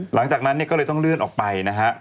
หลังจากนั้นเนี่ยก็เลยต้องเลื่อนออกไปนะฮะ